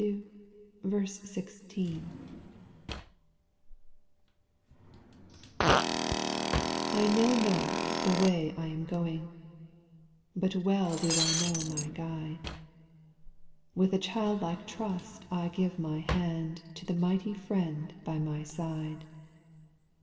1 ( T KNOW not the way I am going, X But well do I know my guide ; With a child like trust I give my hand To the mighty Friend by my side.